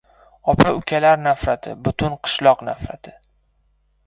• Opa-ukalar nafrati — butun qishloq nafrati.